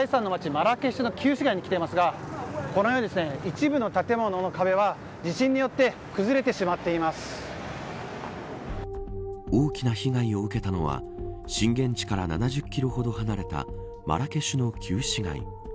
マラケシュの旧市街に来ていますが一部の建物の壁は地震によって大きな被害を受けたのは震源地から７０キロほど離れたマラケシュの旧市街。